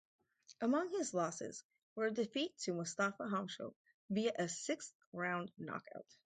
Among his losses were a defeat to Mustafa Hamsho, via a sixth-round knockout.